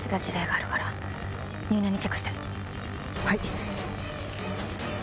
はい。